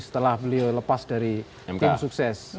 setelah beliau lepas dari tim sukses